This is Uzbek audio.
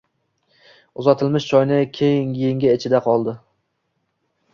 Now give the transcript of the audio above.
Uzatilmish choyni yengi ichida oldi.